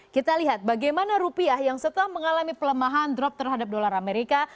kita lihat bagaimana rupiah yang setelah mengalami pelemahan drop terhadap dolar amerika